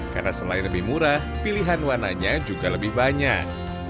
karena selain lebih murah pilihan warnanya juga lebih banyak